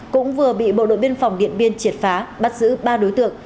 cũng vừa bị bộ đội biên phòng điện biên triệt phá bắt giữ ba đối tượng